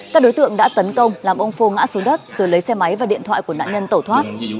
các đối tượng đã tấn công làm ông phô ngã xuống đất rồi lấy xe máy và điện thoại của nạn nhân tẩu thoát